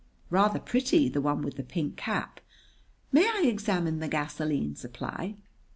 "Rather pretty, the one with the pink cap. May I examine the gasoline supply?"